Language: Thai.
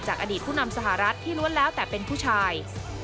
อดีตผู้นำสหรัฐที่ล้วนแล้วแต่เป็นผู้ชาย